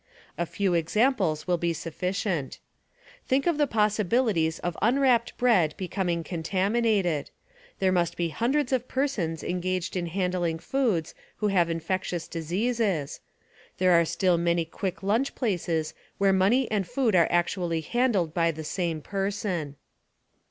A few examples will be sufficient. Think of the possibilities of unwrapped bread becoming contaminated; there must be hundreds of persons engaged in handling foods who have infectious diseases; there are still many quick lunch places where money and food are actually handled by the same person.